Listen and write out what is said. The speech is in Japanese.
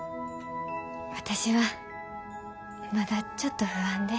私はまだちょっと不安で。